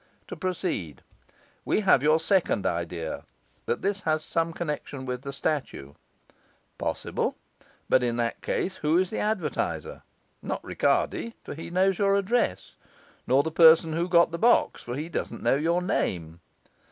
To proceed, we have your second idea, that this has some connection with the statue. Possible; but in that case who is the advertiser? Not Ricardi, for he knows your address; not the person who got the box, for he doesn't know your name.